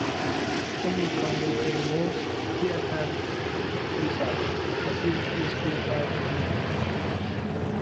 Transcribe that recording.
Overcome with remorse, he attempts suicide, but is rescued by Cliff.